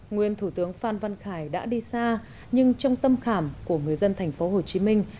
nguyên thủ tướng phan văn khải đã đi xa nhưng trong tâm khảm của người dân thành phố hồ chí minh